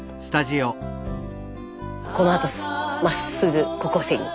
このあとまっすぐ高校生に？